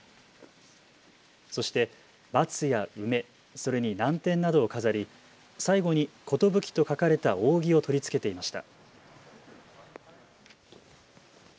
そして松や梅それにナンテンなどを飾り、最後に壽と書かれた扇を取り付けていました。